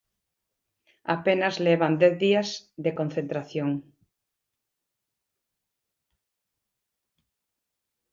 A penas levan dez días de concentración.